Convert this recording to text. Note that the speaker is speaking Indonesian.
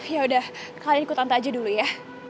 yaudah kalian ikut tante aja dulu ya